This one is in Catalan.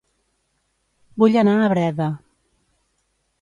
Vull anar a Breda